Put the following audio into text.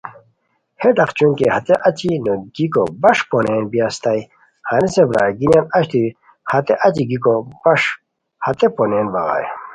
ہے ڈاق چونکہ ہتے اچی نوگیکو بݰ پونین بی اسیتائے، ہنیسے برار گینیان اچتو ہتے اچی گیکو بݰ ہتے پونین بغائے